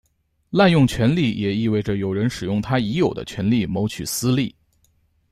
滥用权力也意味着有人使用他已有的权力谋取私利。